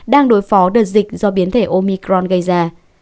đang đối phó đợt dịch do biến thể omicron gây ra